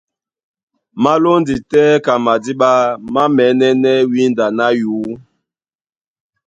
Má lóndi tɛ́ ka madíɓá, má mɛ̌nɛ́nɛ́ wínda ná yǔ.